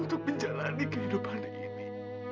untuk menjalani kehidupan ini